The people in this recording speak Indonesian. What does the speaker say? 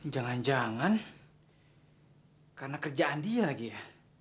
jangan jangan karena kerjaan dia lagi ya